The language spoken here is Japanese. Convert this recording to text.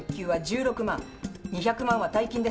２００万は大金です。